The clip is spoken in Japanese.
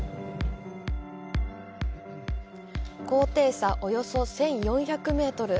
高低差およそ１４００メートル。